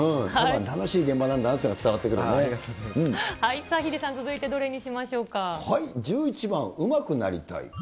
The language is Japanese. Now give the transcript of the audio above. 楽しい現場なんだなっていうさあ、ヒデさん、続いてどれ１１番、うまくなりたい。